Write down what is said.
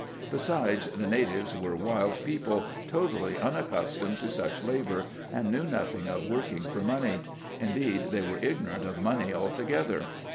Besides, the natives were wild people, totally unac customed to such labour, and knew nothing of working for money : indeed they were ignorant of money altogether.